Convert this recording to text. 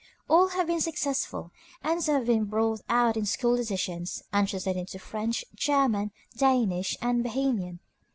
All have been successful, and some have been brought out in school editions, and translated into French, German, Danish, and Bohemian.